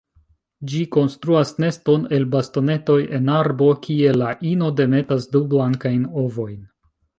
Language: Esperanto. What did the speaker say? Ĝi konstruas neston el bastonetoj en arbo, kie la ino demetas du blankajn ovojn.